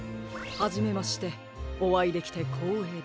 はじめましておあいできてこうえいです。